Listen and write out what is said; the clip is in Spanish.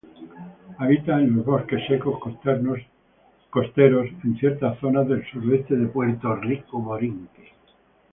Habita en los bosques secos costeros en ciertas zonas del suroeste de Puerto Rico.